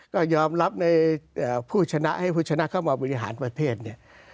ก็ยอมรับในผู้ชนะให้ผู้ชนะเข้ามาบริหารประเทศเนี่ย